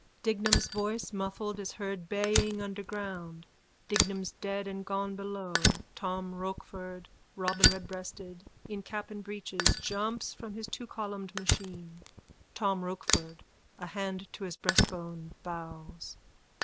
Dignam's voice, muffled, is heard baying under ground:_ Dignam's dead and gone below. Tom Rochford, robinredbreasted, in cap and breeches, jumps from his twocolumned machine.) TOM ROCHFORD: _(A hand to his breastbone, bows.)